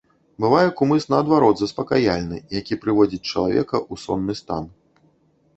Бывае кумыс, наадварот, заспакаяльны, які прыводзіць чалавека ў сонны стан.